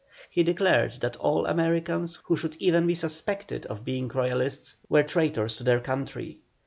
He declared that all Americans who should even be suspected of being Royalists were traitors to their country.